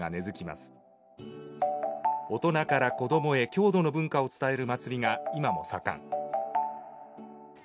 大人から子どもへ郷土の文化を伝える祭りが今も盛ん。